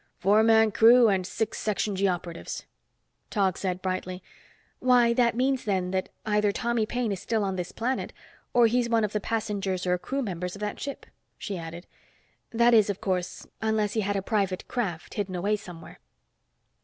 "Four man crew and six Section G operatives." Tog said brightly, "Why, that means, then, that either Tommy Paine is still on this planet, or he's one of the passengers or crew members of that ship." She added, "That is, of course, unless he had a private craft, hidden away somewhere."